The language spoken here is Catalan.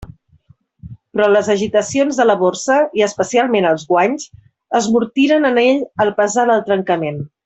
Però les agitacions de la Borsa, i especialment els guanys, esmortiren en ell el pesar del trencament.